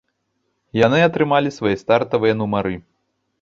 Яны атрымалі свае стартавыя нумары.